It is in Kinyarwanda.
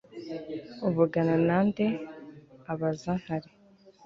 uvugana na nde? abaza ntare